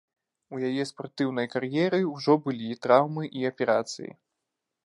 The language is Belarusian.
У яе спартыўнай кар'еры ўжо былі траўмы і аперацыі.